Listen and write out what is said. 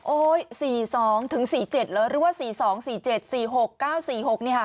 โอ๊ย๔๒ถึง๔๗หรือว่า๔๒๔๗๔๖๙๔๖นี่ค่ะ